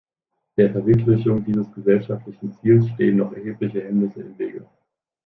Der Verwirklichung dieses gesellschaftlichen Ziels stehen noch erhebliche Hemmnisse im Wege.